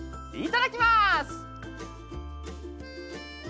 いただきます。